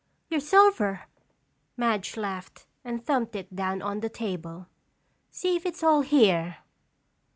"Your silver," Madge laughed and thumped it down on the table. "See if it's all here."